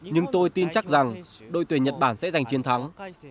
nhưng tôi tin chắc rằng đội tuyển nhật bản sẽ giành chiến thắng